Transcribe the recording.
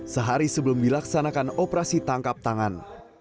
sehari sebelum dilaksanakan operasi tangkap tangan